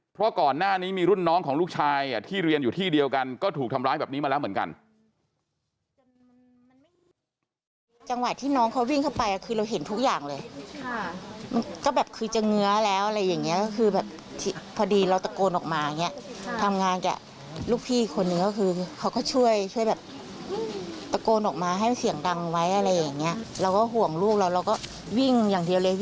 เพราะก่อนหน้านี้มีรุ่นน้องของลูกชายที่เรียนอยู่ที่เดียวกันก็ถูกทำร้ายแบบนี้มาแล้วเหมือนกัน